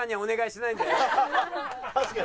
確かに。